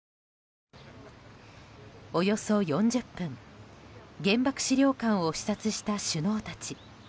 およそ４０分原爆資料館を視察した首脳たち。